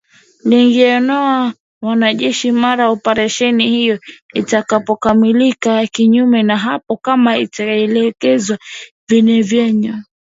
Lingeondoa wanajeshi mara operesheni hiyo itakapokamilika kinyume na hapo kama itaelekezwa vinginevyo.